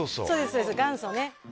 そうです元祖ね